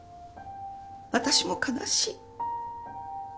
私も悲しい。